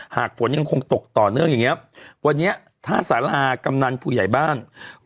หากฝนยังคงตกต่อเนื่องอย่างเงี้ยวันนี้ถ้าสารากำนันผู้ใหญ่บ้าน